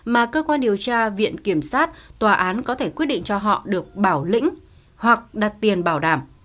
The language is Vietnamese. mà cơ quan điều tra viện kiểm sát tòa án có thể quyết định cho họ được bảo lĩnh hoặc đặt tiền bảo đảm